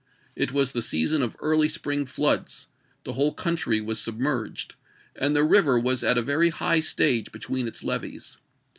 It was the season of the early spring floods; the whole country was sub merged, and the river was at a very high stage between its levees.